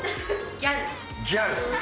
ギャル！